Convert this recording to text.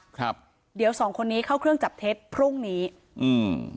ครับเดี๋ยวสองคนนี้เข้าเครื่องจับเท็จพรุ่งนี้อืม